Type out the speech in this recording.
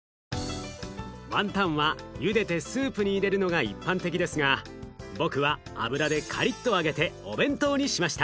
ワンタンはゆでてスープに入れるのが一般的ですが僕は油でカリッと揚げてお弁当にしました。